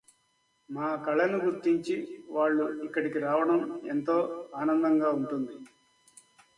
మా కళను గుర్తించి వాళ్ళు ఇక్కడికి రావడం ఎంతో ఆనందంగా ఉంటుంది.